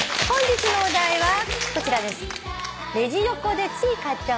本日のお題はこちらです。